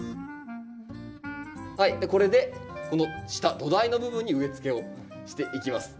はいこれでこの下土台の部分に植えつけをしていきます。